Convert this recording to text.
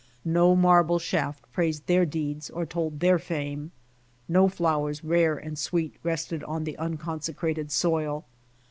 No marble shaft praised their deeds or told their fame. No flowers rare and sweet rested on the unconsecrated soil.